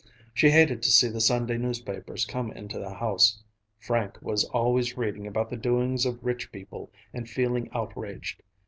She hated to see the Sunday newspapers come into the house. Frank was always reading about the doings of rich people and feeling outraged.